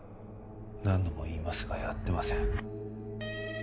何度も言いますがやってません